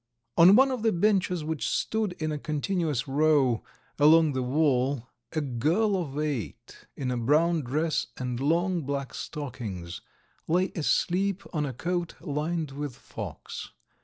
On one of the benches, which stood in a continuous row along the wall, a girl of eight, in a brown dress and long black stockings, lay asleep on a coat lined with fox.